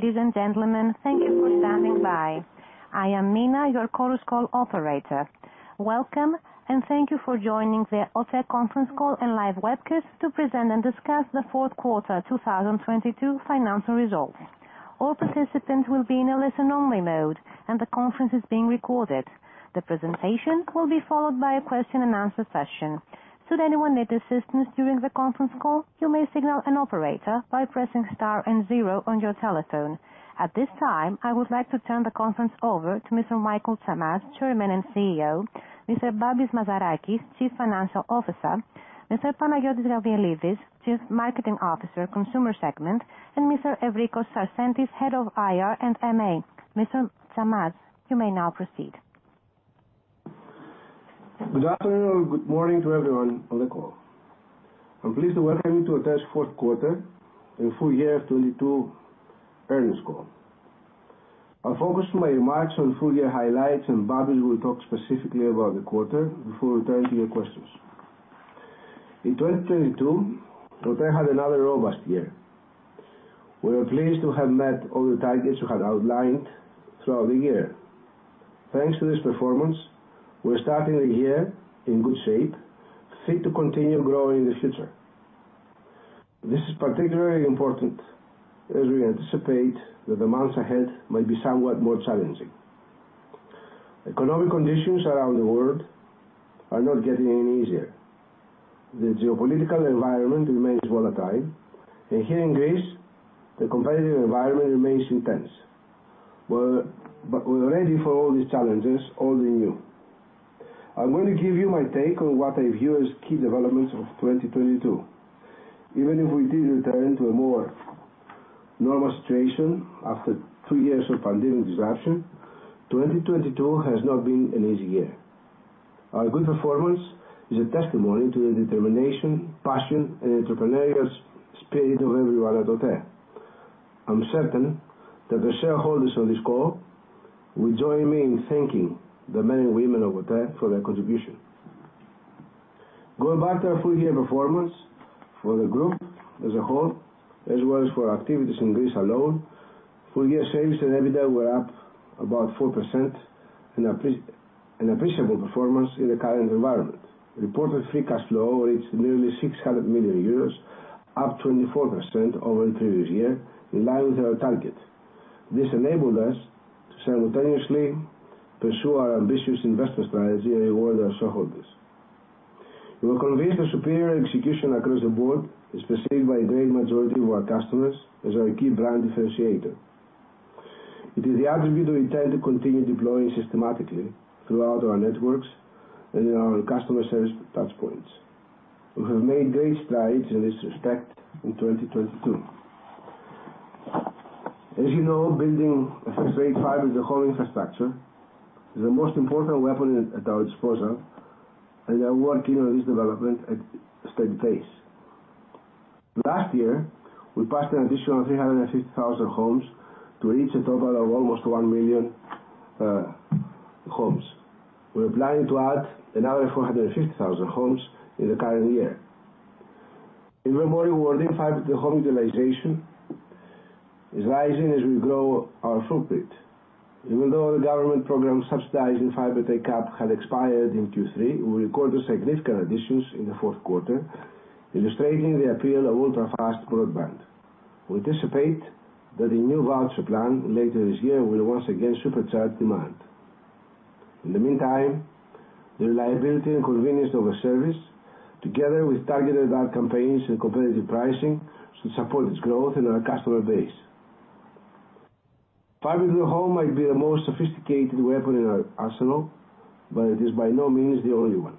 Ladies and gentlemen, thank you for standing by. I am Mina, your Chorus Call operator. Welcome and thank you for joining the OTE conference call and live webcast to present and discuss the Q4 2022 financial results. All participants will be in a listen-only mode, and the conference is being recorded. The presentation will be followed by a question-and-answer session. Should anyone need assistance during the conference call, you may signal an operator by pressing star and 0 on your telephone. At this time, I would like to turn the conference over to Mr. Michael Tsamaz, chairman and CEO, Mr. Babis Mazarakis, Chief Financial Officer, Mr. Panayiotis Gabrielides, Chief Marketing Officer, Consumer Segment, and Mr. Evrikos Sarsentis, Head of IR and M&A. Mr. Tsamaz, you may now proceed. Good afternoon, or good morning to everyone on the call. I'm pleased to welcome you to OTE's Q4 and full year 2022 earnings call. I'll focus my remarks on full year highlights, and Babis will talk specifically about the quarter before returning to your questions. In 2022, OTE had another robust year. We are pleased to have met all the targets we had outlined throughout the year. Thanks to this performance, we're starting the year in good shape, fit to continue growing in the future. This is particularly important as we anticipate that the months ahead might be somewhat more challenging. Economic conditions around the world are not getting any easier. The geopolitical environment remains volatile, and here in Greece, the competitive environment remains intense. We're ready for all these challenges, old and new. I'm going to give you my take on what I view as key developments of 2022. Even if we did return to a more normal situation after two years of pandemic disruption, 2022 has not been an easy year. Our good performance is a testimony to the determination, passion and entrepreneurial spirit of everyone at OTE. I'm certain that the shareholders on this call will join me in thanking the men and women of OTE for their contribution. Going back to our full year performance for the group as a whole, as well as for our activities in Greece alone, full year sales and EBITDA were up about 4%, an appreciable performance in the current environment. Reported free cash flow reached nearly 600 million euros, up 24% over the previous year in line with our target. This enabled us to simultaneously pursue our ambitious investment strategy and reward our shareholders. We were convinced the superior execution across the board is perceived by a great majority of our customers as our key brand differentiator. It is the attribute we intend to continue deploying systematically throughout our networks and in our customer service touchpoints. We have made great strides in this respect in 2022. As you know, building a fixed rate fiber to the home infrastructure is the most important weapon at our disposal, and we are working on this development at steady pace. Last year, we passed an additional 350,000 homes to reach a total of almost 1 million homes. We're planning to add another 450,000 homes in the current year. Even more rewarding, fiber to the home utilization is rising as we grow our footprint. Even though the government program subsidizing fiber take-up had expired in Q3, we recorded significant additions in Q4, illustrating the appeal of ultra-fast broadband. We anticipate that the new voucher plan later this year will once again supercharge demand. In the meantime, the reliability and convenience of a service together with targeted ad campaigns and competitive pricing should support its growth in our customer base. Fiber to the home might be the most sophisticated weapon in our arsenal, but it is by no means the only one.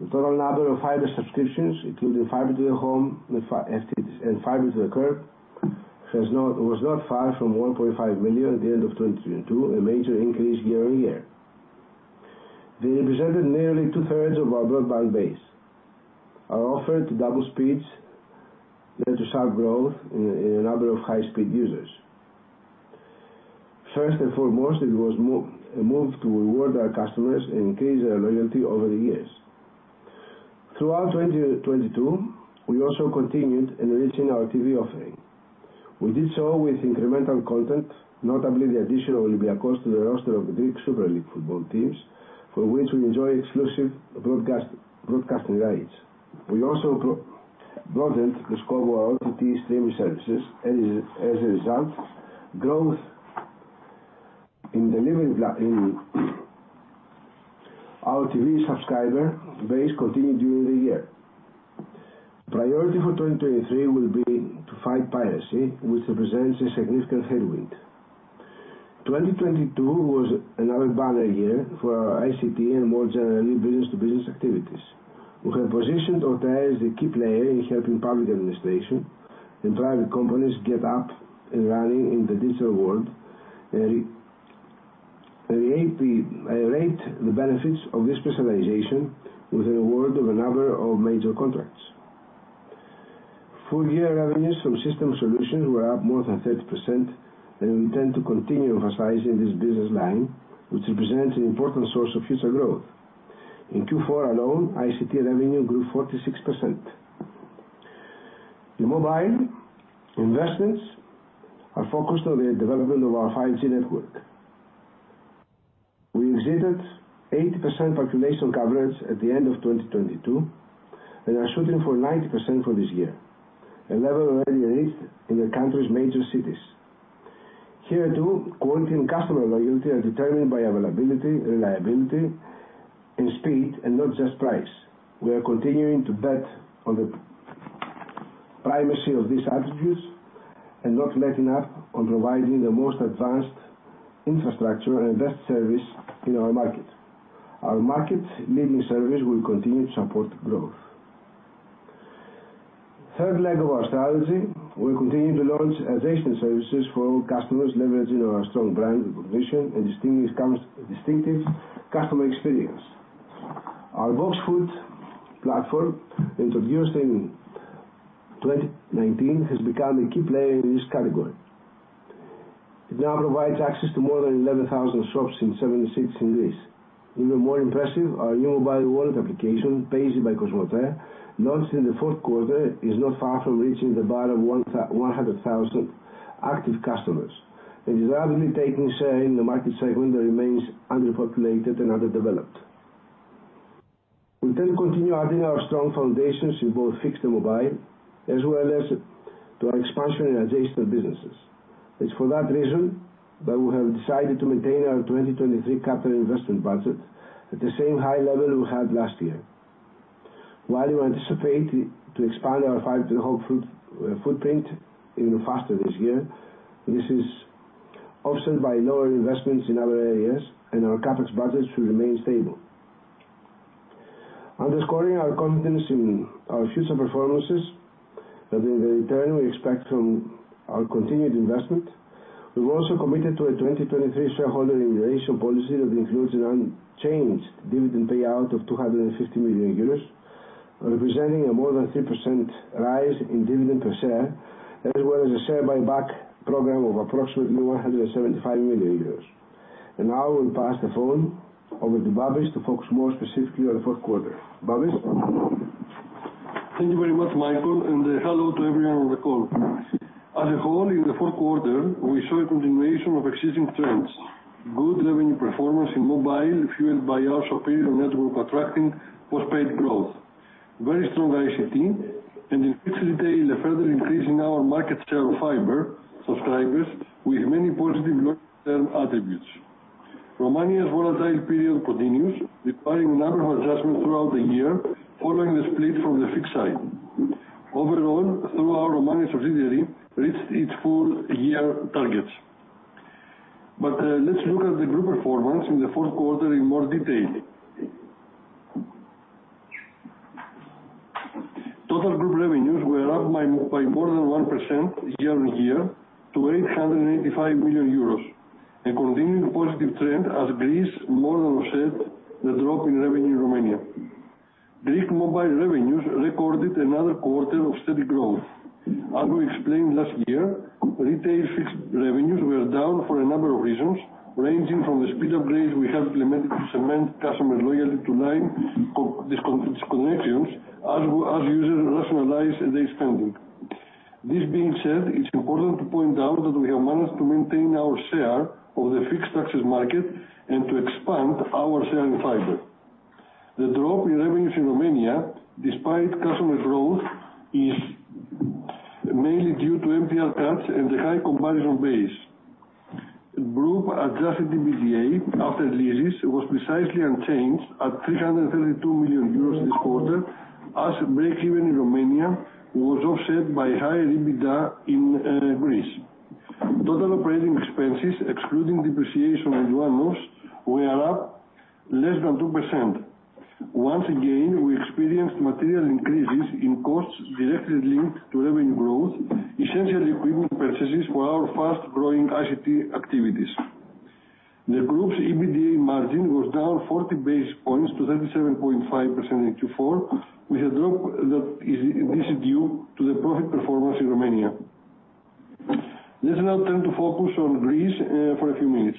The total number of fiber subscriptions, including Fiber to the home and FTTC, and fiber to the curb, was not far from 1.5 million at the end of 2022, a major increase year-on-year. They represented nearly two-thirds of our broadband base. Our offer to double speeds led to sharp growth in the number of high-speed users. First and foremost, it was a move to reward our customers and increase their loyalty over the years. Throughout 2022, we also continued enriching our TV offering. We did so with incremental content, notably the addition of Olympiacos to the roster of Super League Greece football teams, for which we enjoy exclusive broadcasting rights. We also broadened the scope of our OTT streaming services. As a result, growth in delivering in our TV subscriber base continued during the year. Priority for 2023 will be to fight piracy, which represents a significant headwind. 2022 was another banner year for our ICT and more generally, business-to-business activities. We have positioned OTE as a key player in helping public administration and private companies get up and running in the digital world, reap the benefits of this specialization with the award of a number of major contracts. Full year revenues from system solutions were up more than 30%, and we intend to continue emphasizing this business line, which represents an important source of future growth. In Q4 alone, ICT revenue grew 46%. In mobile, investments are focused on the development of our 5G network. We exceeded 80% population coverage at the end of 2022, and are shooting for 90% for this year, a level already reached in the country's major cities. Here, too, quality and customer loyalty are determined by availability, reliability and speed, and not just price. We are continuing to bet on the primacy of these attributes and not letting up on providing the most advanced infrastructure and best service in our market. Our market-leading service will continue to support growth. Third leg of our strategy, we continue to launch adjacent services for all customers, leveraging our strong brand recognition and distinctive customer experience. Our BOX platform, introduced in 2019, has become a key player in this category. It now provides access to more than 11,000 shops in 7 cities in Greece. Even more impressive, our new mobile wallet application, payzy by COSMOTE, launched in the Q4, is not far from reaching the bar of 100,000 active customers, and is rapidly taking share in the market segment that remains underpopulated and underdeveloped. We continue adding our strong foundations in both fixed and mobile, as well as to our expansion in adjacent businesses. It's for that reason that we have decided to maintain our 2023 capital investment budget at the same high level we had last year. While we anticipate to expand our fiber to the home footprint even faster this year, this is offset by lower investments in other areas, and our CapEx budgets should remain stable. Underscoring our confidence in our future performances and in the return we expect from our continued investment, we've also committed to a 2023 shareholder remuneration policy that includes an unchanged dividend payout of 250 million euros, representing a more than 3% rise in dividend per share, as well as a share buyback program of approximately 175 million euros. Now I will pass the phone over to Babis to focus more specifically on the Q4. Babis? Thank you very much, Michael, and hello to everyone on the call. As a whole in the Q4, we saw a continuation of existing trends, good revenue performance in mobile fueled by our superior network attracting postpaid growth, very strong ICT, and in fixed retail a further increase in our market share of fiber subscribers with many positive long-term attributes. Romania's volatile period continues, requiring a number of adjustments throughout the year following the split from the fixed side. Overall, through our Romania subsidiary reached its full year targets. Let's look at the group performance in the Q4 in more detail. Total group revenues were up by more than 1% year-on-year to 885 million euros, a continuing positive trend as Greece more than offset the drop in revenue in Romania. Greek mobile revenues recorded another quarter of steady growth. As we explained last year, retail fixed revenues were down for a number of reasons, ranging from the speed upgrades we have implemented to cement customer loyalty to line disconnections as users rationalize their spending. This being said, it's important to point out that we have managed to maintain our share of the fixed access market and to expand our share in fiber. The drop in revenues in Romania, despite customer growth, is mainly due to MTR cuts and a high comparison base. Group adjusted EBITDA after leases was precisely unchanged at 332 million euros this quarter, as breakeven in Romania was offset by higher EBITDA in Greece. Total operating expenses, excluding depreciation and one-offs, were up less than 2%. Once again, we experienced material increases in costs directly linked to revenue growth, essentially equipment purchases for our fast-growing ICT activities. The group's EBITDA margin was down 40 basis points to 37.5% in Q4, this is due to the profit performance in Romania. Let's now turn to focus on Greece for a few minutes.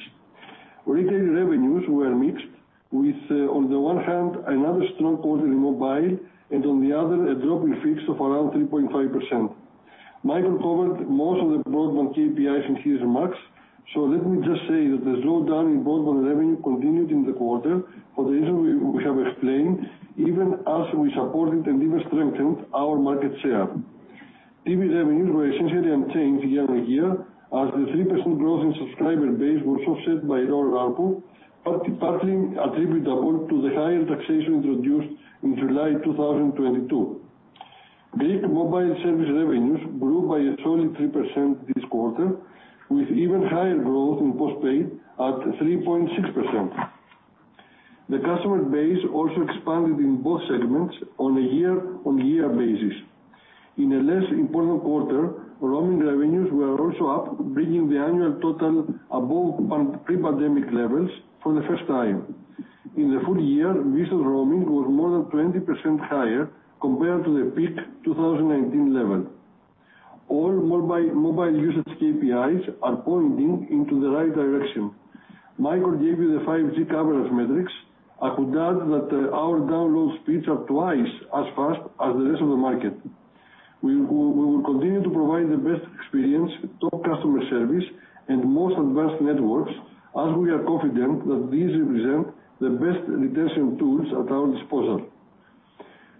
Retail revenues were mixed with, on the one hand, another strong quarter in mobile, and on the other, a drop in fixed of around 3.5%. Michael covered most of the broadband KPIs in his remarks, let me just say that the slowdown in broadband revenue continued in the quarter for the reason we have explained, even as we supported and even strengthened our market share. TV revenues were essentially unchanged year-on-year, as the 3% growth in subscriber base was offset by lower ARPU, partly attributable to the higher taxation introduced in July 2022. Greek mobile service revenues grew by a solid 3% this quarter, with even higher growth in postpaid at 3.6%. The customer base also expanded in both segments on a year-on-year basis. In a less important quarter, roaming revenues were also up, bringing the annual total above pre-pandemic levels for the first time. In the full year, versus roaming was more than 20% higher compared to the peak 2019 level. All mobile usage KPIs are pointing into the right direction. Michael gave you the 5G coverage metrics. I could add that our download speeds are twice as fast as the rest of the market. We will continue to provide the best experience, top customer service, and most advanced networks as we are confident that these represent the best retention tools at our disposal.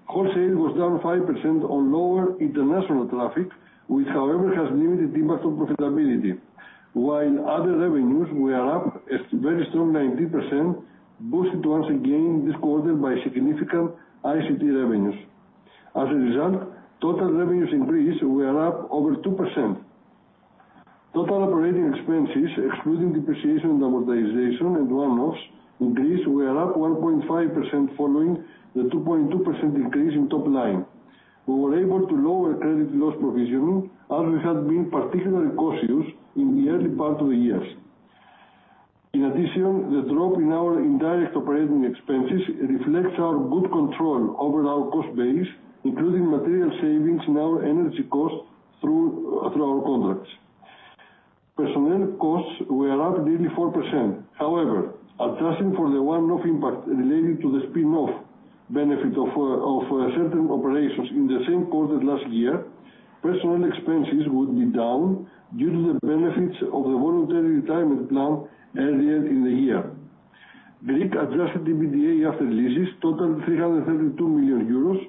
Wholesale was down 5% on lower international traffic, which, however, has limited impact on profitability. Other revenues were up a very strong 19%, boosted once again this quarter by significant ICT revenues. Total revenues increase were up over 2%. Total operating expenses, excluding depreciation and amortization and one-offs increase, were up 1.5% following the 2.2% increase in top line. We were able to lower credit loss provisioning as we had been particularly cautious in the early part of the years. The drop in our indirect operating expenses reflects our good control over our cost base, including material savings in our energy costs through our contracts. Personnel costs were up nearly 4%. Adjusting for the one-off impact related to the spin-off benefit of certain operations in the same quarter last year, personnel expenses would be down due to the benefits of the voluntary retirement plan earlier in the year. Greek adjusted EBITDA after leases totaled 332 million euros,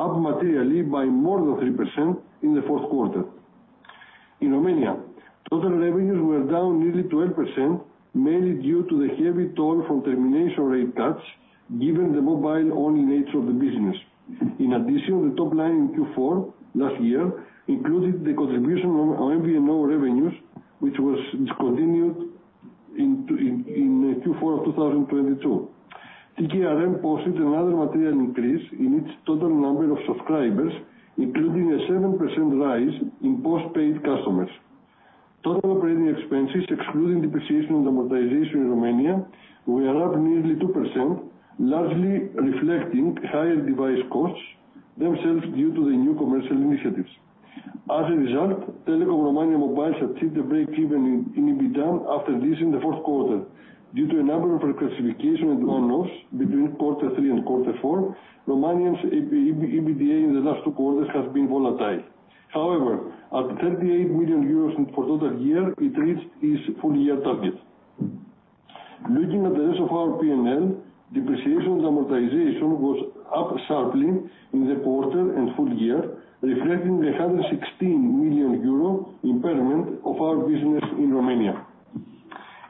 up materially by more than 3% in the Q4. In Romania, total revenues were down nearly 12%, mainly due to the heavy toll from termination rate cuts, given the mobile-only nature of the business. The top line in Q4 last year included the contribution of our MVNO revenues, which was discontinued in Q4 of 2022. TKRM posted another material increase in its total number of subscribers, including a 7% rise in postpaid customers. Total operating expenses, excluding depreciation and amortization in Romania, were up nearly 2%, largely reflecting higher device costs, themselves due to the new commercial initiatives. Telekom Romania Mobile achieved a break-even in EBITDA after this in the Q4. Due to a number of reclassification and one-offs between Q3 and Q4, Romanian's EBITDA in the last Q2 has been volatile. At 38 million euros for total year, it reached its full year target. Looking at the rest of our P&L, depreciation and amortization was up sharply in the quarter and full year, reflecting the 116 million euro impairment of our business in Romania.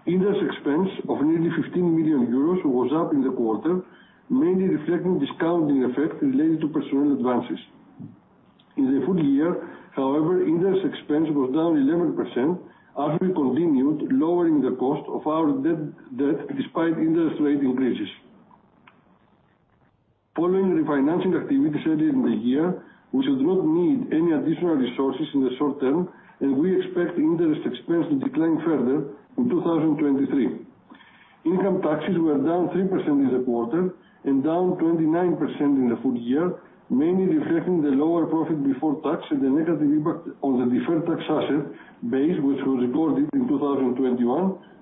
Interest expense of nearly 15 million euros was up in the quarter, mainly reflecting discounting effect related to personnel advances. In the full year, however, interest expense was down 11% as we continued lowering the cost of our debt despite interest rate increases. Following refinancing activities earlier in the year, we should not need any additional resources in the short term, and we expect interest expense to decline further in 2023. Income taxes were down 3% in the quarter and down 29% in the full year, mainly reflecting the lower profit before tax and the negative impact on the deferred tax asset base, which was recorded in 2021,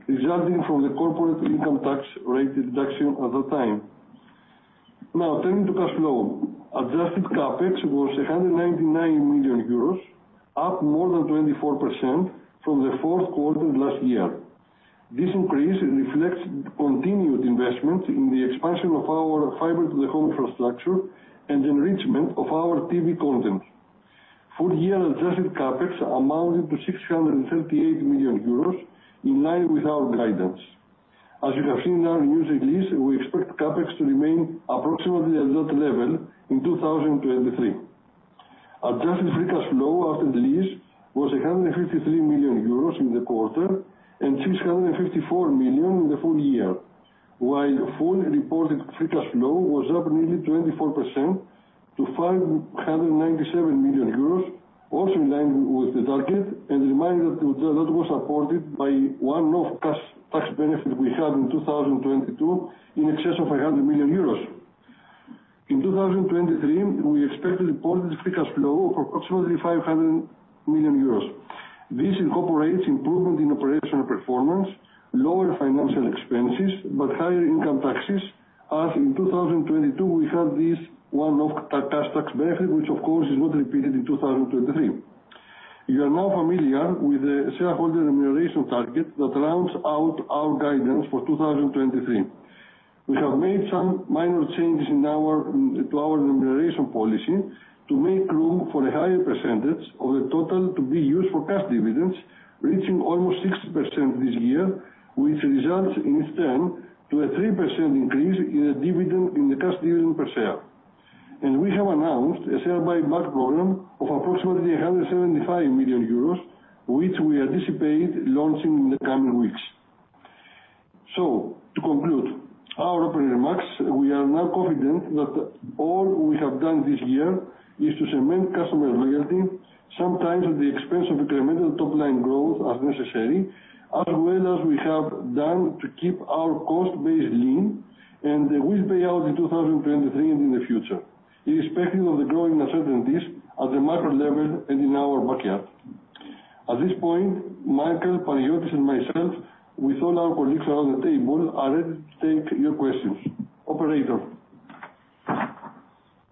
resulting from the corporate income tax rate reduction at the time. Turning to cash flow. Adjusted CapEx was 199 million euros, up more than 24% from the Q4 last year. This increase reflects continued investments in the expansion of our fiber to the home infrastructure and enrichment of our TV content. Full year adjusted CapEx amounted to 638 million euros, in line with our guidance. As you have seen in our news release, we expect CapEx to remain approximately at that level in 2023. Adjusted free cash flow after the lease was 153 million euros in the quarter and 654 million in the full year. Full reported free cash flow was up nearly 24% to 597 million euros, also in line with the target and reminder that that was supported by one-off cash tax benefit we had in 2022 in excess of 100 million euros. In 2023, we expect to report free cash flow of approximately 500 million euros. This incorporates improvement in operational performance, lower financial expenses, but higher income taxes, as in 2022 we had this one-off cash tax benefit, which of course is not repeated in 2023. You are now familiar with the shareholder remuneration target that rounds out our guidance for 2023. We have made some minor changes to our remuneration policy to make room for a higher percentage of the total to be used for cash dividends, reaching almost 60% this year, which results in turn to a 3% increase in the cash dividend per share. We have announced a share buyback program of approximately 175 million euros, which we anticipate launching in the coming weeks. To conclude our opening remarks, we are now confident that all we have done this year is to cement customer loyalty, sometimes at the expense of incremental top line growth as necessary, as well as we have done to keep our cost base lean and which pay out in 2023 and in the future, irrespective of the growing uncertainties at the macro level and in our backyard. At this point, Michael, Panagiotis, and myself, with all our colleagues around the table are ready to take your questions. Operator?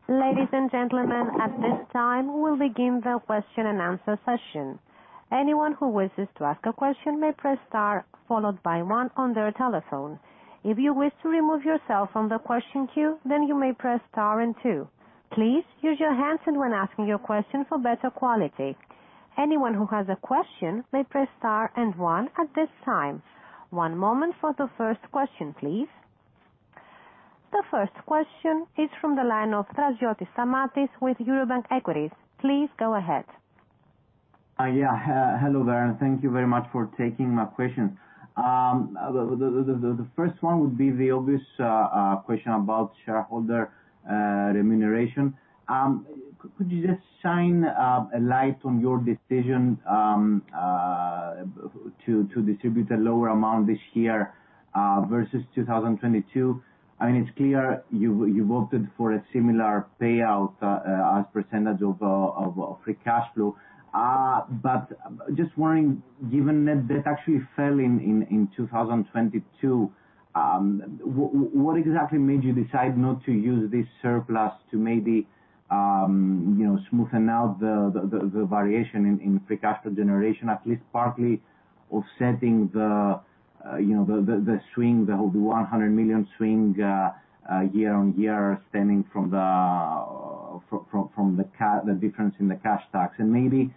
Ladies and gentlemen, at this time we'll begin the question and answer session. Anyone who wishes to ask a question may press star followed by one on their telephone. If you wish to remove yourself from the question queue, you may press star and two. Please use your handset when asking your question for better quality. Anyone who has a question may press star and one at this time. One moment for the first question, please. The first question is from the line of Stamatios Draziotis with Eurobank Equities. Please go ahead. Yeah. Hello there, thank you very much for taking my question. The first one would be the obvious question about shareholder remuneration. Could you just shine a light on your decision to distribute a lower amount this year versus 2022? I mean, it's clear you opted for a similar payout as percentage of free cash flow. Just wondering, given net debt actually fell in 2022, what exactly made you decide not to use this surplus to maybe, you know, smoothen out the variation in free cash flow generation, at least partly offsetting the, you know, the swing, the whole 100 million swing year-over-year stemming from the difference in the cash stacks? Maybe,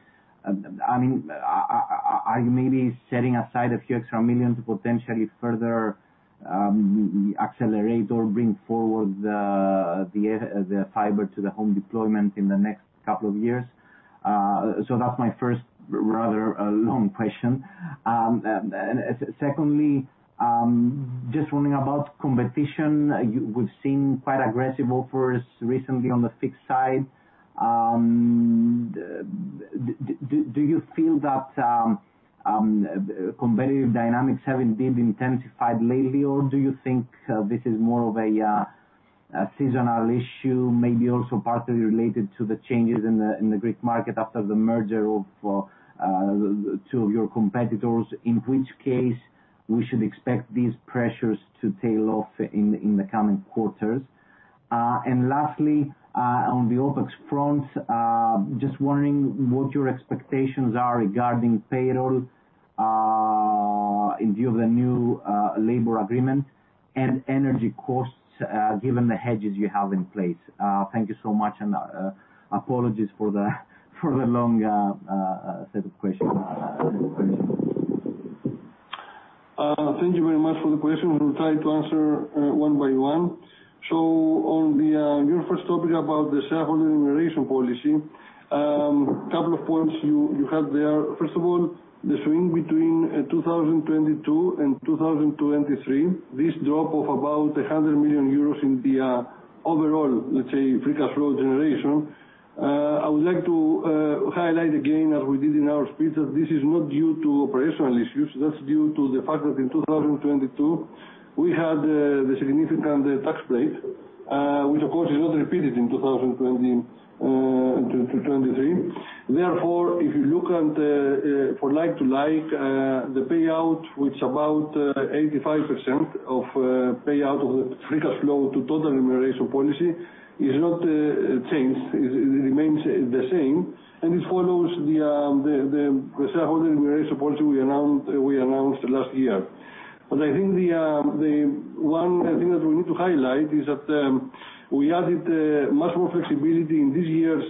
I mean, are you maybe setting aside a few extra million to potentially further accelerate or bring forward the fiber to the home deployment in the next couple of years? That's my first rather long question. Secondly, just wondering about competition. We've seen quite aggressive offers recently on the fixed side. Do you feel that competitive dynamics have indeed intensified lately? Or do you think this is more of a seasonal issue, maybe also partly related to the changes in the Greek market after the merger of two of your competitors, in which case we should expect these pressures to tail off in the coming quarters? Lastly, on the OpEx front, just wondering what your expectations are regarding payroll, in view of the new labor agreement and energy costs, given the hedges you have in place? Thank you so much, and apologies for the long set of questions. Thank you very much for the question. We will try to answer one by one. On your first topic about the shareholder remuneration policy, couple of points you had there. First of all, the swing between 2022 and 2023, this drop of about 100 million euros in the overall, let's say, free cash flow generation, I would like to highlight again, as we did in our speech, that this is not due to operational issues. That's due to the fact that in 2022, we had the significant tax break, which of course is not repeated in 2023. If you look at for like-to-like, the payout, which about 85% of payout of the free cash flow to total remuneration policy is not changed. It remains the same, and it follows the shareholder remuneration policy we announced last year. I think the one thing that we need to highlight is that we added much more flexibility in this year's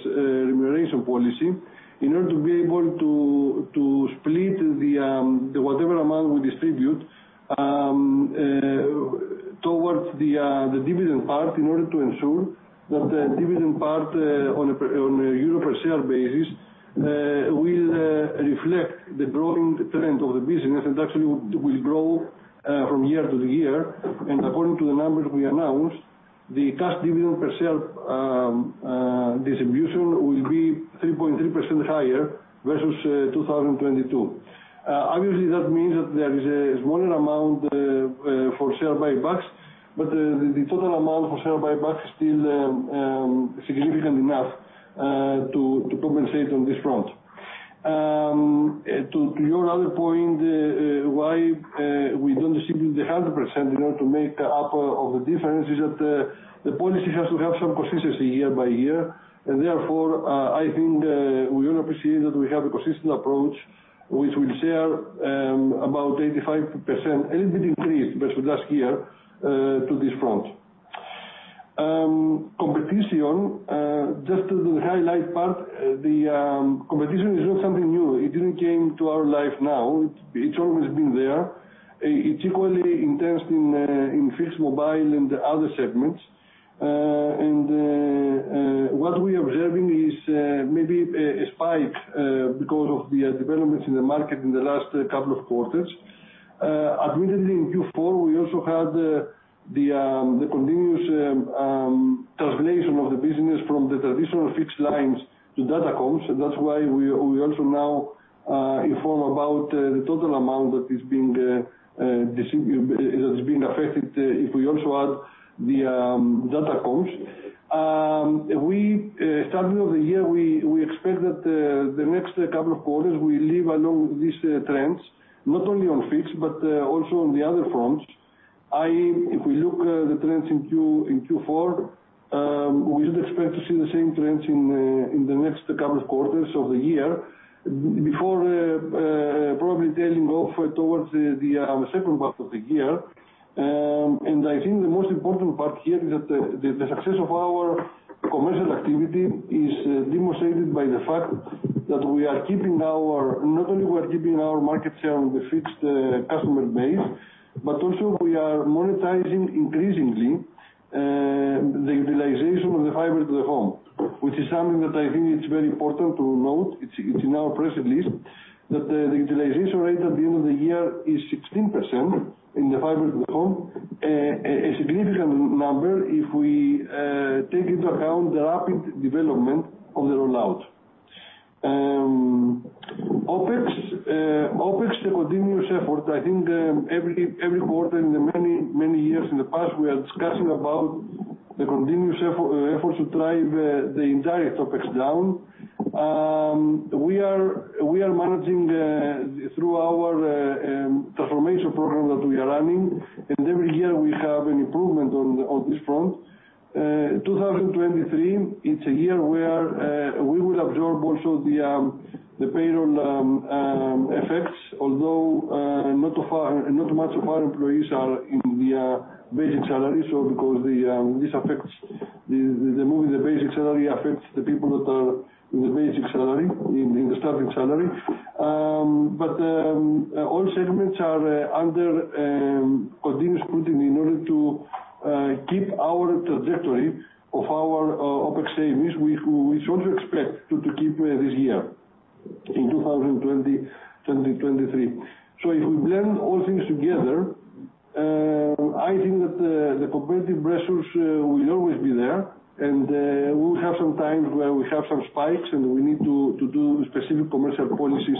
remuneration policy in order to be able to split whatever amount we distribute towards the dividend part in order to ensure that the dividend part on a EUR per share basis will reflect the growing trend of the business and actually will grow from year-to-year. According to the numbers we announced, the cash dividend per share distribution will be 3.3% higher versus 2022. Obviously that means that there is a smaller amount for share buybacks, but the total amount for share buyback is still significant enough to compensate on this front. To your other point why we don't distribute the 100% in order to make up of the difference is that the policy has to have some consistency year by year. Therefore, I think we will appreciate that we have a consistent approach, which we'll share about 85%, a little bit increased versus last year to this front. Competition, just to highlight part, the competition is not something new. It didn't came to our life now. It's always been there. It's equally intense in fixed mobile and other segments. What we observing is maybe a spike because of the developments in the market in the last couple of quarters. Admittedly, in Q4, we also had the continuous translation of the business from the traditional fixed lines to datacomms, and that's why we also now inform about the total amount that is being that is being affected if we also add the datacomms. We start of the year, we expect that the next couple of quarters will live along with these trends, not only on fixed, but also on the other fronts. If we look at the trends in Q4, we would expect to see the same trends in the next couple of quarters of the year. Before probably tailing off towards the second part of the year. I think the most important part here is that the success of our commercial activity is demonstrated by the fact that we are keeping our. Not only we are keeping our market share on the fixed customer base, but also we are monetizing increasingly the utilization of the fiber to the home, which is something that I think it's very important to note. It's in our press release, that the utilization rate at the end of the year is 16% in the fiber to the home. A significant number if we take into account the rapid development of the rollout. OpEx, the continuous effort, I think, every quarter in the many years in the past, we are discussing about the continuous effort to drive the entire topics down. We are managing through our transformation program that we are running, and every year we have an improvement on this front. 2023, it's a year where we will absorb also the payroll effects, although not much of our employees are in the basic salary. Because the, this affects the moving the basic salary affects the people that are in the basic salary, in the starting salary. All segments are under continuous putting in order to keep our trajectory of our OpEx savings, we should expect to keep this year in 2023. If we blend all things together, I think that the competitive pressures will always be there. We'll have some times where we have some spikes, and we need to do specific commercial policies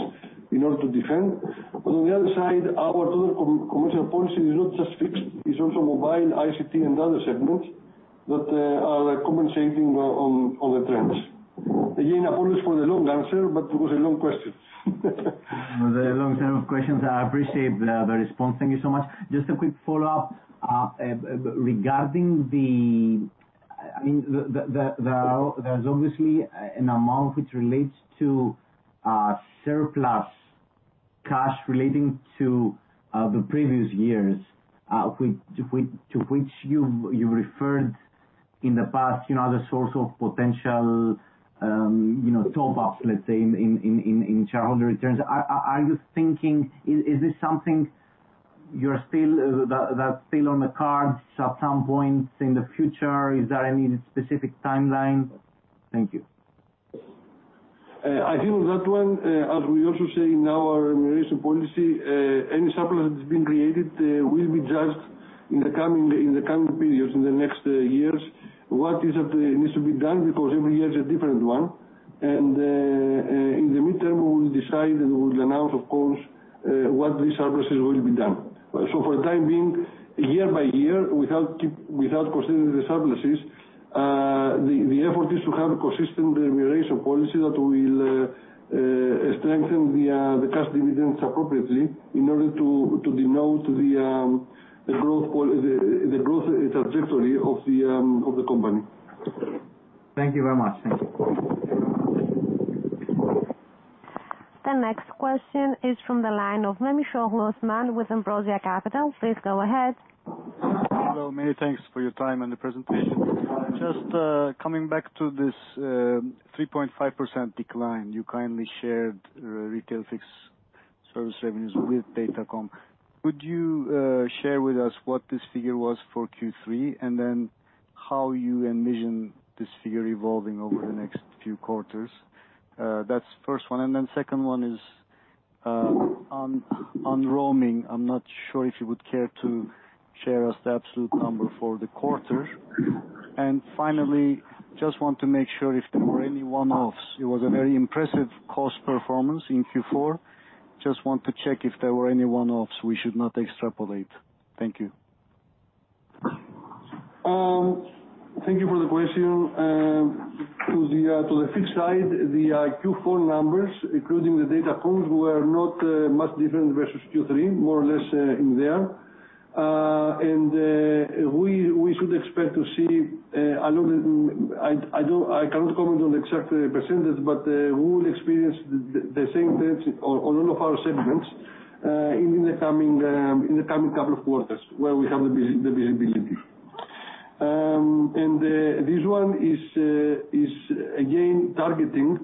in order to defend. On the other side, our other commercial policy is not just fixed, it's also mobile, ICT and other segments that are compensating on the trends. Again, apologies for the long answer, but it was a long question. A very long term of questions. I appreciate the response. Thank you so much. Just a quick follow-up. I mean, there's obviously an amount which relates to surplus cash relating to the previous years, which you've referred in the past, you know, as a source of potential, you know, top-ups, let's say, in shareholder returns. Is this something you're still that's still on the cards at some point in the future? Is there any specific timeline? Thank you. I think on that one, as we also say in our remuneration policy, any surplus that's been created, will be judged in the coming periods, in the next years. What is it needs to be done because every year is a different one. In the midterm, we will decide and we will announce, of course, what these surpluses will be done. For the time being, year by year, without considering the surpluses, the effort is to have a consistent remuneration policy that will strengthen the cash dividends appropriately in order to denote the growth trajectory of the company. Thank you very much. Thank you. The next question is from the line of Osman Memisoglu with Ambrosia Capital. Please go ahead. Hello. Many thanks for your time and the presentation. Just coming back to this 3.5% decline you kindly shared, retail fixed service revenues with datacomms. Would you share with us what this figure was for Q3? How you envision this figure evolving over the next few quarters? That's first one. Second one is on roaming. I'm not sure if you would care to share us the absolute number for the quarter. Finally, just want to make sure if there were any one-offs. It was a very impressive cost performance in Q4. Just want to check if there were any one-offs we should not extrapolate. Thank you. Thank you for the question. To the fixed side, the Q4 numbers, including the datacomms, were not much different versus Q3, more or less in there. We should expect to see a little. I don't, I cannot comment on the exact percentage, but we will experience the same trends on all of our segments in the coming couple of quarters where we have the visibility. This one is again targeting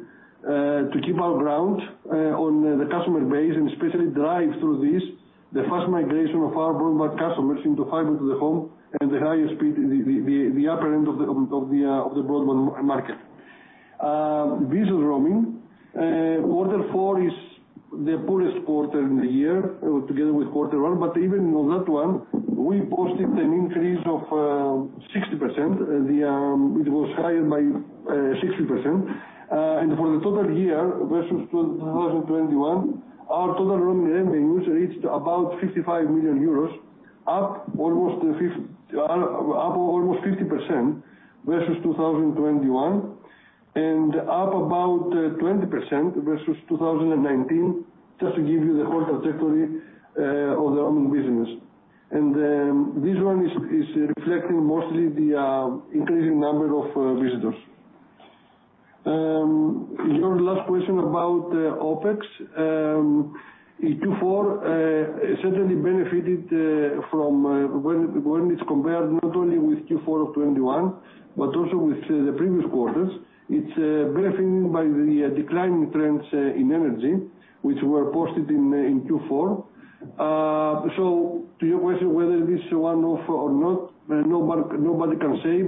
to keep our ground on the customer base, and especially drive through this the fast migration of our broadband customers into fiber to the home and the higher speed, the upper end of the broadband market. This is roaming. Q4 is the poorest quarter in the year, together with quarter one, but even on that one, we posted an increase of 60%. It was higher by 60%. For the total year versus 2021, our total roaming revenues reached about 55 million euros, up almost 50% versus 2021. Up about 20% versus 2019, just to give you the whole trajectory of the OMNI business. This one is reflecting mostly the increasing number of visitors. Your last question about OpEx. In Q4, certainly benefited from when it's compared not only with Q4 of '21, but also with the previous quarters. It's benefiting by the declining trends in energy which were posted in Q4. To your question, whether this is a one-off or not, nobody can say.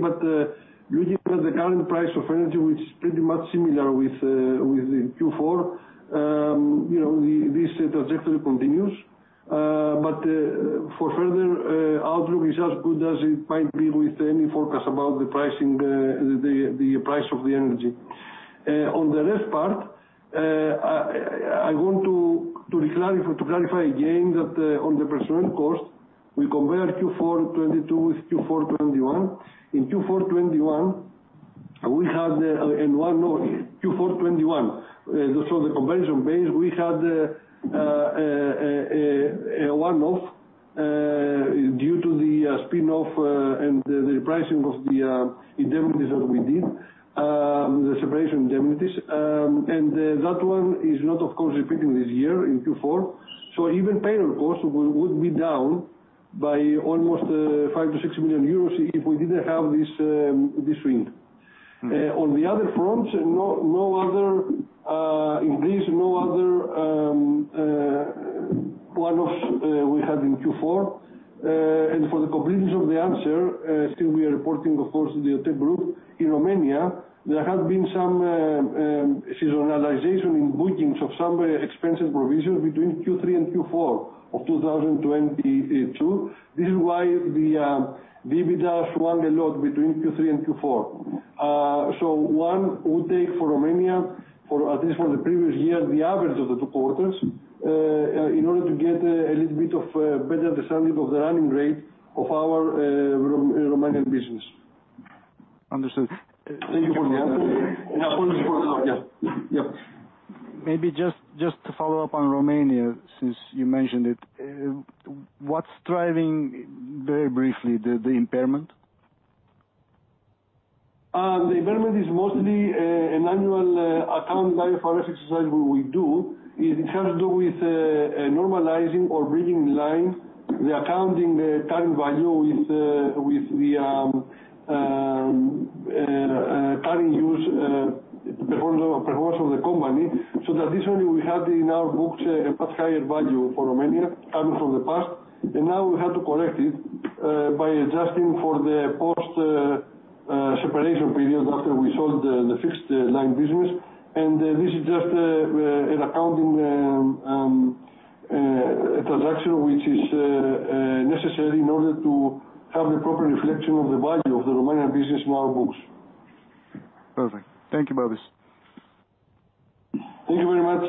Looking at the current price of energy, which is pretty much similar with the Q4, you know, this trajectory continues. For further outlook is as good as it might be with any forecast about the pricing, the price of the energy. On the rest part, I want to clarify again that on the personnel cost, we compare Q4 2022 with Q4 2021. In Q4 2021, we had Q4 2021. The comparison base, we had a one-off due to the spinoff and the repricing of the indemnities that we did, the separation indemnities. That one is not, of course, repeating this year in Q4. Even payroll costs would be down by almost 5 million-6 million euros if we didn't have this win. On the other fronts, no other increase, no other one-offs we had in Q4. For the completeness of the answer, still we are reporting, of course, in the OTE Group. In Romania, there have been some seasonalization in bookings of some expensive provisions between Q3 and Q4 of 2022. This is why the EBITDA swung a lot between Q3 and Q4. One would take for Romania for, at least for the previous year, the average of the Q2, in order to get a little bit of better understanding of the running rate of our Romanian business. Understood. Thank you for the answer. Yeah. Yeah. Maybe just to follow up on Romania, since you mentioned it. What's driving, very briefly, the impairment? The impairment is mostly an annual account value forensic exercise we will do. It has to do with normalizing or bringing in line the accounting, the current value with the current use performance of the company, so that this only we have in our books a much higher value for Romania coming from the past. Now we have to correct it by adjusting for the post separation period after we sold the fixed line business. This is just an accounting transaction which is necessary in order to have the proper reflection of the value of the Romanian business in our books. Perfect. Thank you, Babis. Thank you very much.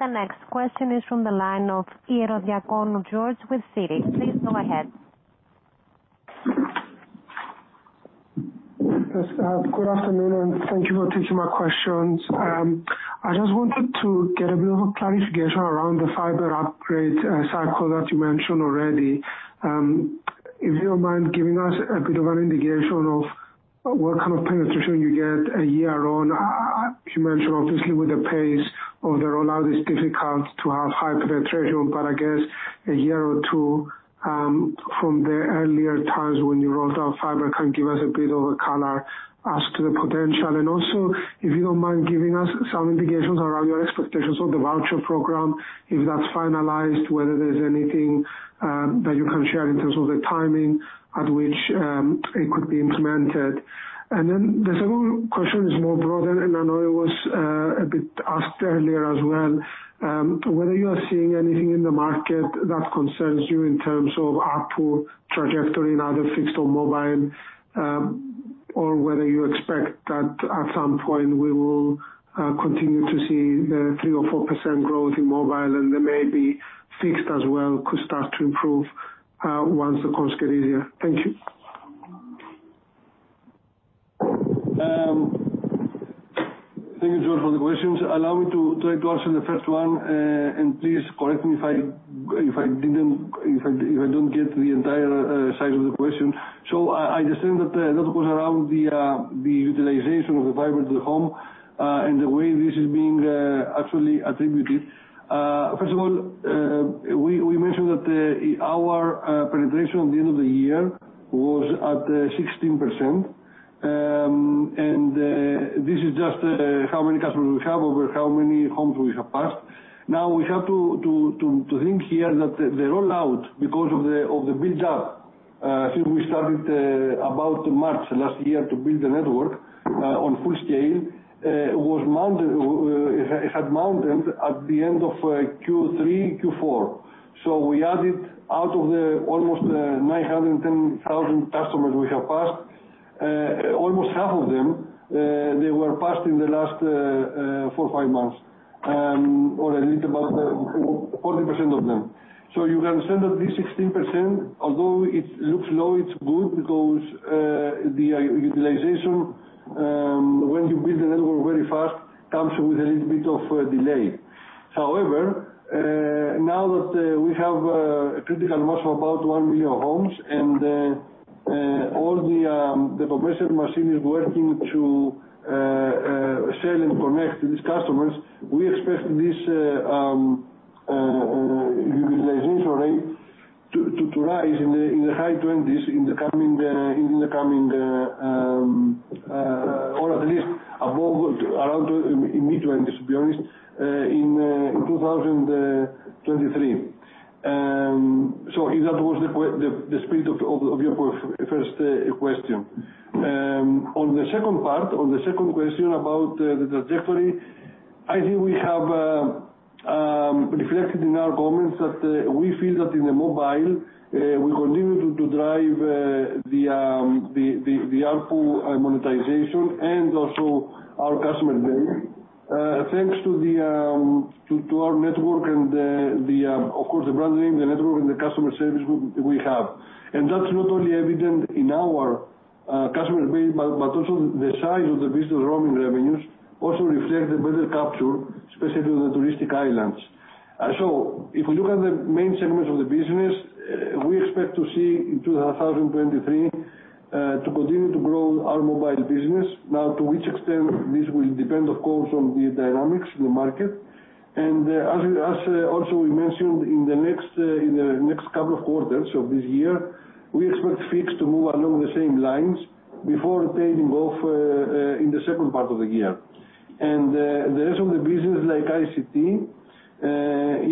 The next question is from the line of Iro Diacon George with Citi. Please go ahead. Yes. Good afternoon, thank you for taking my questions. I just wanted to get a bit of a clarification around the fiber upgrade cycle that you mentioned already. If you don't mind giving us a bit of an indication of what kind of penetration you get a year on. You mentioned obviously with the pace of the rollout, it's difficult to have high penetration, but I guess One or Two from the earlier times when you rolled out fiber can give us a bit of a color as to the potential. Also, if you don't mind giving us some indications around your expectations of the voucher program, if that's finalized, whether there's anything that you can share in terms of the timing at which it could be implemented. The second question is broader, and I know it was a bit asked earlier as well. Whether you are seeing anything in the market that concerns you in terms of ARPU trajectory in either fixed or mobile, or whether you expect that at some point we will continue to see the 3% or 4% growth in mobile and then maybe fixed as well could start to improve once the costs get easier. Thank you. Thank you, George, for the questions. Allow me to try to answer the first one, and please correct me if I didn't, if I don't get the entire side of the question. I understand that that was around the utilization of the fiber to the home, and the way this is being actually attributed. First of all, we mentioned that our penetration at the end of the year was at 16%. This is just how many customers we have over how many homes we have passed. We have to think here that the rollout, because of the buildup, since we started about March last year to build the network on full scale, it had mounted at the end of Q3, Q4. We added out of the almost 910,000 customers we have passed, almost half of them, they were passed in the last four, five months, or a little about the 40% of them. You can understand that this 16%, although it looks low, it's good because the utilization, when you build the network very fast, comes with a little bit of a delay. However, now that we have a critical mass of about 1 million homes and all the progressive machine is working to sell and connect these customers, we expect this utilization rate to rise in the high 20s in the coming or at least above or around in mid-20s, to be honest, in 2023. If that was the spirit of your first question? On the second part, on the second question about the trajectory, I think we have reflected in our comments that we feel that in the mobile, we continue to drive the ARPU monetization and also our customer base, thanks to our network and of course, the branding, the network and the customer service we have. That's not only evident in our customer base, but also the size of the business roaming revenues also reflect the better capture, especially with the touristic islands. If we look at the main segments of the business, we expect to see in 2023 to continue to grow our mobile business. To which extent this will depend, of course, on the dynamics in the market. As we also mentioned in the next couple of quarters of this year, we expect fixed to move along the same lines before tailing off in the second part of the year. The rest of the business, like ICT,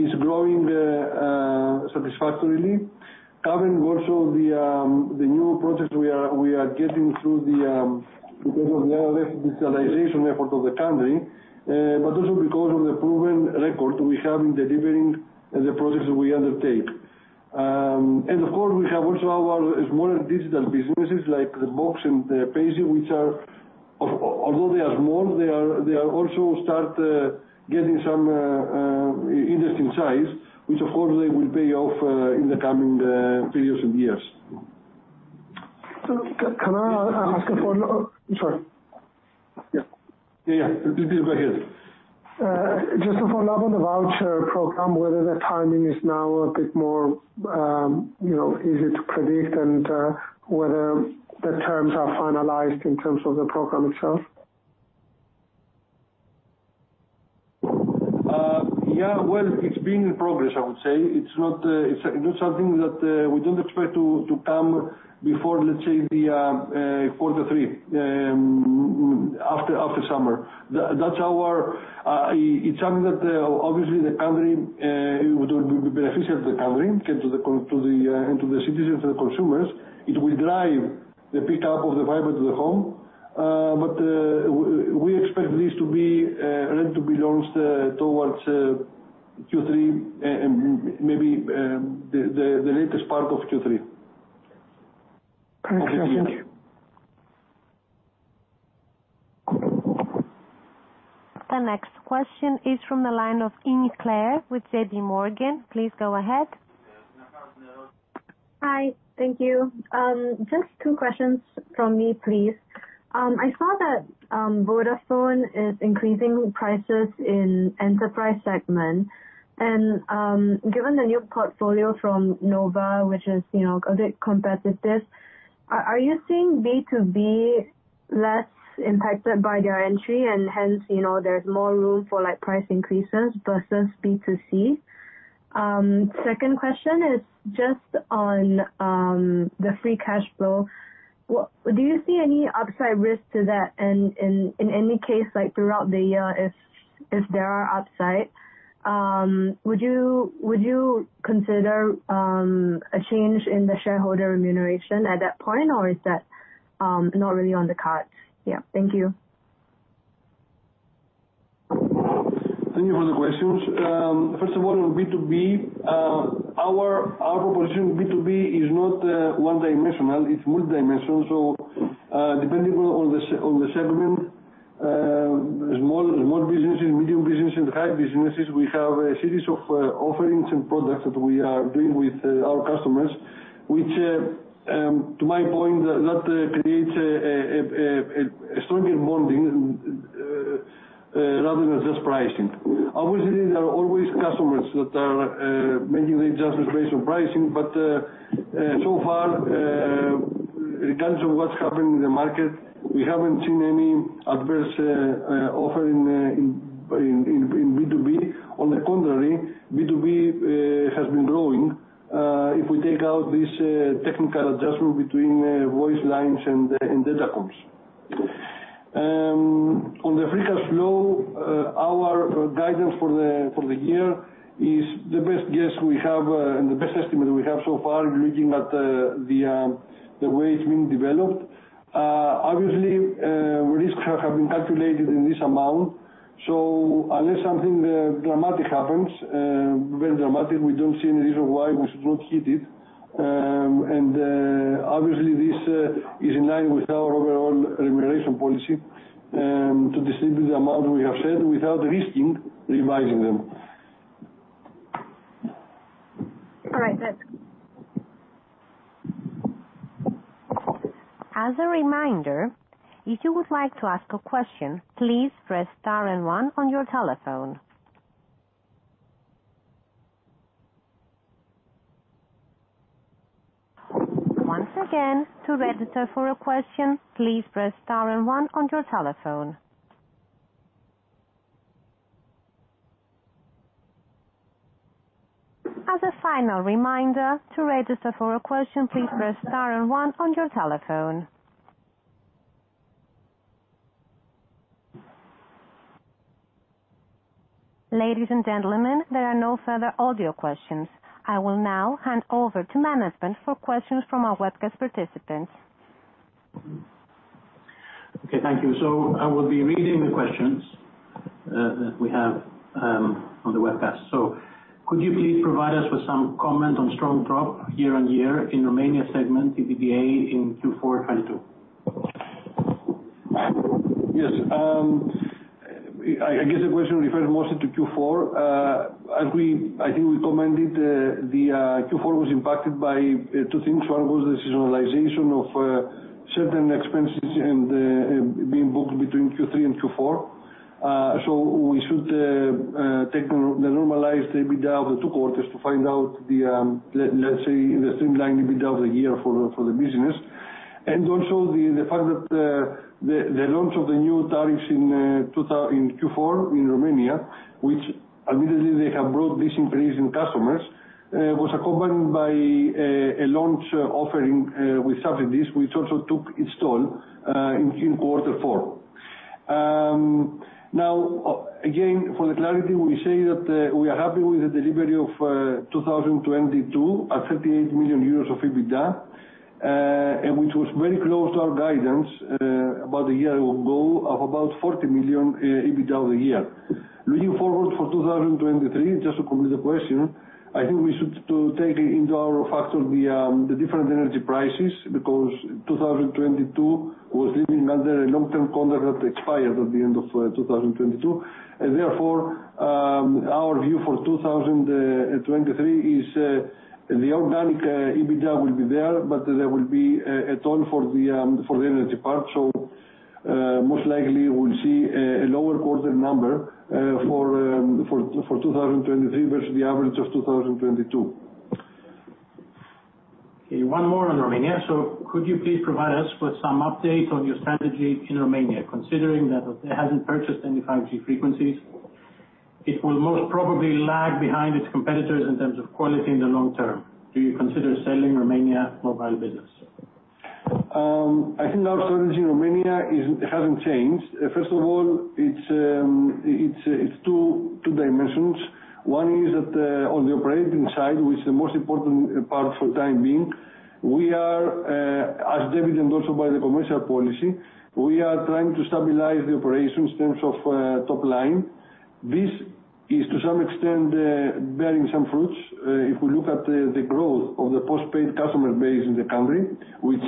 is growing satisfactorily, covering also the new projects we are getting through because of the RRF digitalization effort of the country, but also because of the proven record we have in delivering the projects that we undertake. Of course, we have also our smaller digital businesses like BOX and Payzy, which are, although they are small, they are also start getting some interesting size, which of course they will pay off in the coming periods and years. Can I ask a follow-up? Sorry. Yeah. Yeah, yeah. Please go ahead. Just a follow-up on the voucher program, whether the timing is now a bit more, you know, easy to predict and whether the terms are finalized in terms of the program itself. Yeah. Well, it's been in progress, I would say. It's not, it's not something that we don't expect to come before, let's say, the Q3 after summer. That's our, it's something that obviously the country, it would be beneficial to the country and to the citizens and the consumers. It will drive the pickup of the fiber to the home. We expect this to be ready to be launched towards Q3 and maybe the latest part of Q3. Thank you. Of the year. The next question is from the line of Ng, Clara with JP Morgan. Please go ahead. Hi. Thank you. Just two questions from me, please. I saw that Vodafone is increasing prices in enterprise segment. Given the new portfolio from Nova, which is, you know, a bit competitive, are you seeing B2B less impacted by their entry and hence, you know, there's more room for like price increases versus B2C? Second question is just on the free cash flow. Do you see any upside risk to that? In any case, like throughout the year if there are upside, would you consider a change in the shareholder remuneration at that point? Or is that not really on the card? Yeah. Thank you. Thank you for the questions. First of all on B2B, our proposition B2B is not one-dimensional, it's multi-dimensional. Depending on the segment, small businesses, medium businesses, high businesses, we have a series of offerings and products that we are doing with our customers, which, to my point, that creates a stronger bonding rather than just pricing. Obviously, there are always customers that are making adjustments based on pricing, but so far, in terms of what's happening in the market, we haven't seen any adverse offer in B2B. On the contrary, B2B has been growing, if we take out this technical adjustment between voice lines and datacomms. On the free cash flow, our guidance for the year is the best guess we have, and the best estimate we have so far looking at the way it's been developed. Obviously, risks have been calculated in this amount, so unless something dramatic happens, very dramatic, we don't see any reason why we should not hit it. Obviously, this is in line with our overall remuneration policy to distribute the amount we have said without risking revising them. All right. Thanks. As a reminder, if you would like to ask a question, please press star and one on your telephone. Once again, to register for a question, please press star and one on your telephone. As a final reminder, to register for a question, please press star and one on your telephone. Ladies and gentlemen, there are no further audio questions. I will now hand over to management for questions from our webcast participants. Okay. Thank you. I will be reading the questions that we have on the webcast. Could you please provide us with some comment on strong drop year-on-year in Romania segment EBITDA in Q4 2022? Yes. I guess the question refers mostly to Q4. I think we commented the Q4 was impacted by two things. One was the seasonalization of certain expenses and being booked between Q3 and Q4. We should take the normalized EBITDA of the Q2 to find out the streamlined EBITDA of the year for the business. Also the fact that the launch of the new tariffs in Q4 in Romania, which admittedly they have brought this increase in customers, was accompanied by a launch offering with subsidies which also took its toll in Q4. Again, for the clarity we say that we are happy with the delivery of 2022 at 38 million euros of EBITDA, and which was very close to our guidance about a year ago of about 40 million EBITDA of the year. Looking forward for 2023, just to complete the question, I think we should to take into our factor the different energy prices because 2022 was living under a long-term contract that expired at the end of 2022. Therefore, our view for 2023 is the organic EBITDA will be there, but there will be a toll for the energy part. most likely we'll see a lower quarter number for 2023 versus the average of 2022. Okay. One more on Romania. Could you please provide us with some update on your strategy in Romania? Considering that it hasn't purchased any 5G frequencies, it will most probably lag behind its competitors in terms of quality in the long term. Do you consider selling Romania mobile business? I think our strategy in Romania is, it hasn't changed. First of all, it's Two dimensions. One is that, on the operating side, which is the most important part for time being, we are, as evidenced also by the commercial policy, we are trying to stabilize the operations in terms of top line. This is to some extent, bearing some fruits, if we look at the growth of the postpaid customer base in the country, which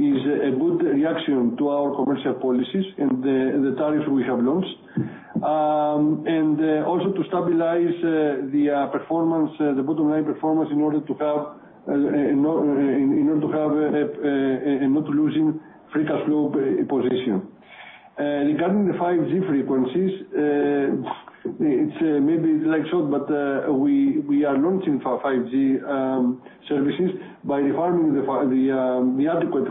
is a good reaction to our commercial policies and the tariffs we have launched. Also to stabilize the performance, the bottom line performance in order to have not losing free cash flow position. Regarding the 5G frequencies, it's maybe like so, but we are launching our 5G services by farming the adequate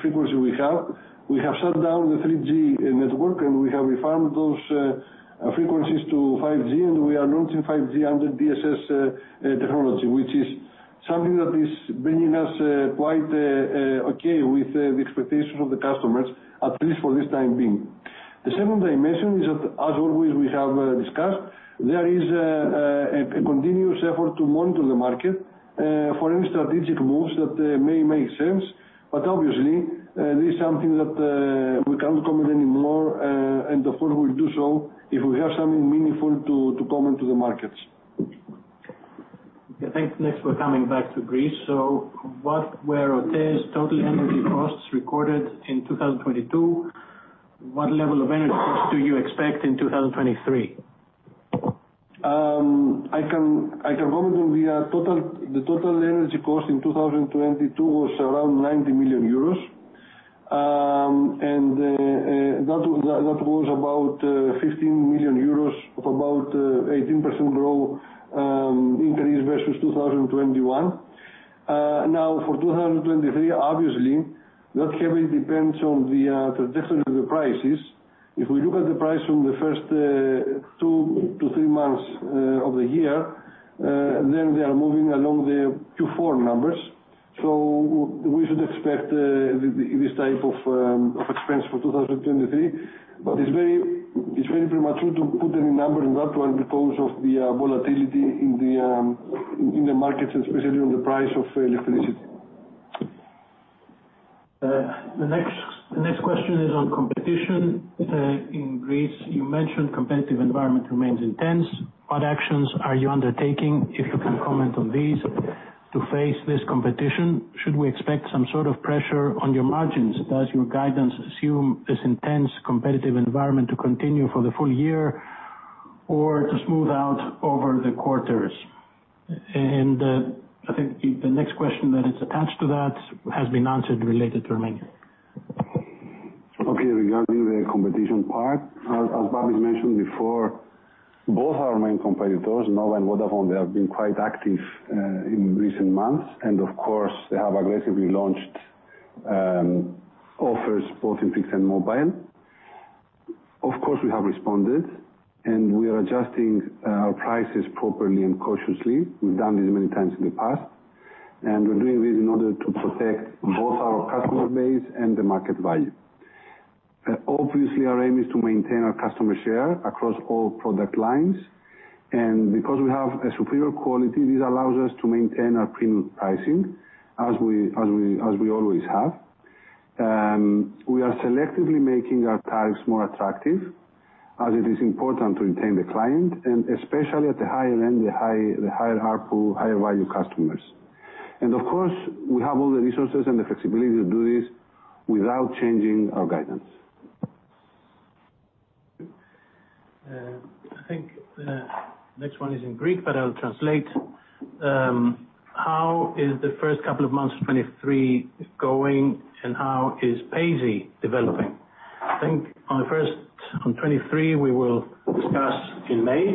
frequency we have. We have shut down the 3G network and we have refarmed those frequencies to 5G and we are launching 5G under DSS technology, which is something that is bringing us quite okay with the expectations of the customers, at least for this time being. The second dimension is that, as always we have discussed, there is a continuous effort to monitor the market for any strategic moves that may make sense. Obviously, this is something that we can't comment any more, and therefore we'll do so if we have something meaningful to comment to the markets. Okay. Thanks. Next we're coming back to Greece. What were OTE's total energy costs recorded in 2022? What level of energy costs do you expect in 2023? I can comment on the total. The total energy cost in 2022 was around 90 million euros. That was about 15 million euros of about 18% growth increase versus 2021. For 2023, obviously that heavily depends on the trajectory of the prices. If we look at the price from the first 2-3 months of the year, they are moving along the Q4 numbers. We should expect this type of expense for 2023. It's very premature to put any number in that one because of the volatility in the markets especially on the price of electricity. The next question is on competition in Greece. You mentioned competitive environment remains intense. What actions are you undertaking, if you can comment on these, to face this competition? Should we expect some sort of pressure on your margins? Does your guidance assume this intense competitive environment to continue for the full year or to smooth out over the quarters? I think the next question that is attached to that has been answered related to Romania. Okay, regarding the competition part, as Babis mentioned before, both our main competitors, Nova and Vodafone, they have been quite active in recent months and of course they have aggressively launched offers both in fixed and mobile. Of course we have responded, and we are adjusting our prices properly and cautiously. We've done this many times in the past, and we're doing this in order to protect both our customer base and the market value. Obviously our aim is to maintain our customer share across all product lines, and because we have a superior quality, this allows us to maintain our premium pricing as we always have. We are selectively making our tariffs more attractive as it is important to retain the client and especially at the higher end, the higher ARPU, higher value customers. Of course, we have all the resources and the flexibility to do this without changing our guidance. I think the next one is in Greek, but I'll translate. How is the first couple of months of 23 going, and how is payzy developing? I think on the first, on 23, we will discuss in May,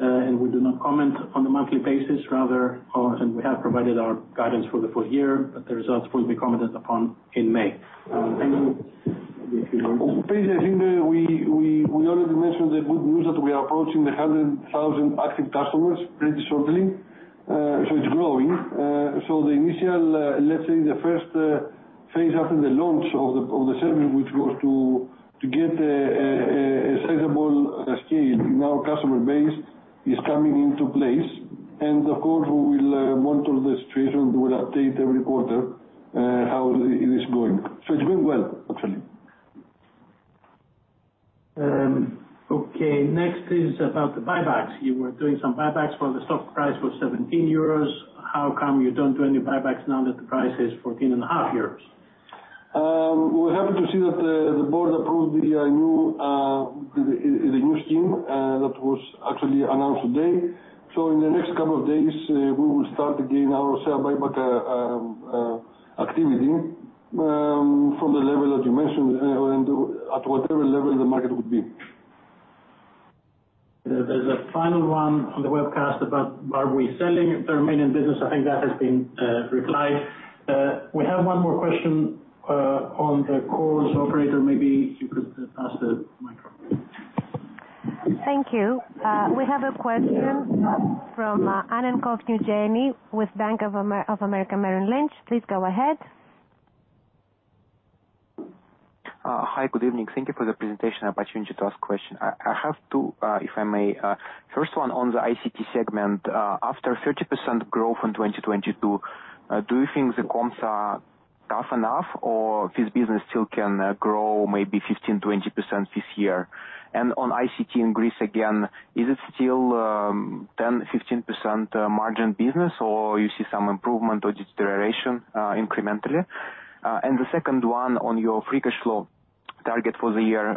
and we do not comment on a monthly basis rather, or, and we have provided our guidance for the full year, but the results will be commented upon in May. And payzy, I think, we already mentioned the good news that we are approaching the 100,000 active customers pretty shortly. It's growing. The initial, let's say the first phase after the launch of the service which was to get a sizable scale in our customer base is coming into place. Of course, we will monitor the situation. We will update every quarter how it is going. It's going well, actually. Okay. Next is about the buybacks. You were doing some buybacks while the stock price was 17 euros. How come you don't do any buybacks now that the price is fourteen and a half euros? We're happy to see that the board approved the new scheme that was actually announced today. In the next couple of days, we will start again our share buyback activity from the level that you mentioned and at whatever level the market would be. There's a final one on the webcast about are we selling the Romanian business. I think that has been, replied. We have one more question, on the calls. Operator, maybe you could pass the microphone. Thank you. We have a question from Anankov Yevgeniy with Bank of America Merrill Lynch. Please go ahead. Hi. Good evening. Thank you for the presentation. An opportunity to ask question. I have two, if I may. First one on the ICT segment. After 30% growth in 2022, do you think the comps are tough enough or this business still can grow maybe 15%-20% this year? On ICT in Greece again, is it still 10%-15% margin business or you see some improvement or deterioration incrementally? The second one on your free cash flow target for the year,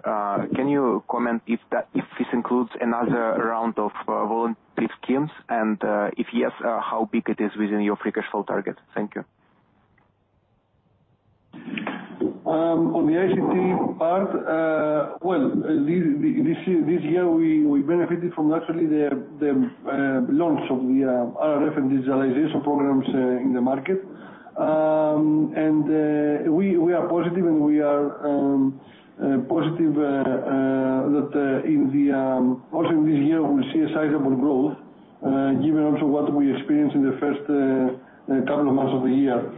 can you comment if this includes another round of voluntary schemes and if yes, how big it is within your free cash flow target? Thank you. On the ICT part, this year we benefited from actually the launch of the RRF and digitalization programs in the market. We are positive and we are positive that in also this year we see a sizable growth given also what we experienced in the first couple of months of the year.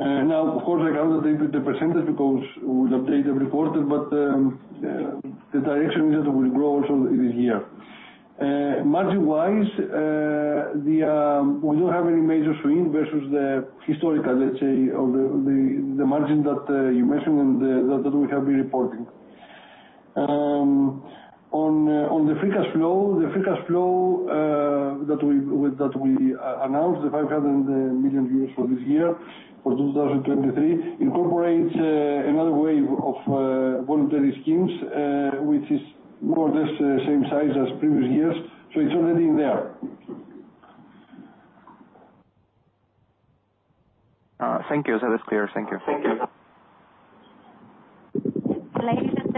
Now of course I can't update the % because we'll update every quarter, but the direction is that we'll grow also this year. Margin wise, we don't have any major swing versus the historical, let's say, of the margin that you mentioned and we have been reporting. On the free cash flow that we announced, the 500 million euros for this year, for 2023, incorporates another wave of voluntary schemes, which is more or less the same size as previous years. It's already in there. Thank you. That is clear. Thank you. Thank you. Ladies and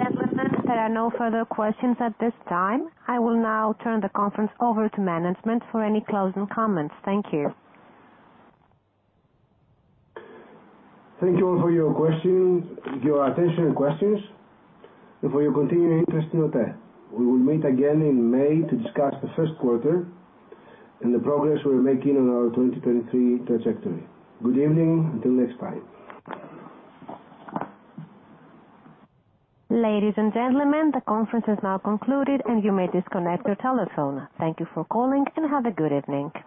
gentlemen, there are no further questions at this time. I will now turn the conference over to management for any closing comments. Thank you. Thank you all for your questions, your attention and questions, and for your continued interest in OTE. We will meet again in May to discuss the Q4 and the progress we are making on our 2023 trajectory. Good evening. Until next time. Ladies and gentlemen, the conference has now concluded and you may disconnect your telephone. Thank you for calling and have a good evening.